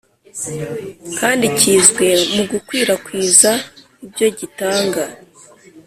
kandi kizwi mugukwi rakwiza ibyo gitanga